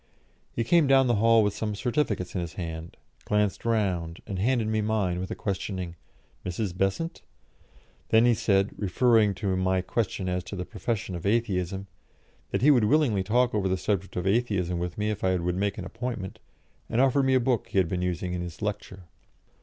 He came down the Hall with some certificates in his hand, glanced round, and handed me mine with a questioning "Mrs. Besant?" Then he said, referring to my question as to a profession of Atheism, that he would willingly talk over the subject of Atheism with me if I would make an appointment, and offered me a book he had been using in his lecture.